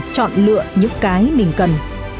chọn lựa những cái mình cần